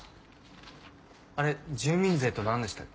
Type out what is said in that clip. あれ住民税と何でしたっけ？